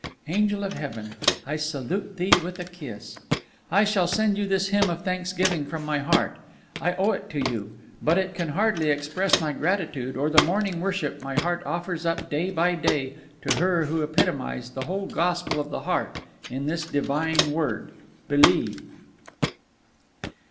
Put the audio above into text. Angel of heaven, I salute thee with a kiss. "I shall send you this hymn of thanksgiving from my heart, I owe it to you; but it can hardly express my gratitude or the morning worship my heart offers up day by day to her who epitomized the whole gospel of the heart in this divine word: 'Believe.'"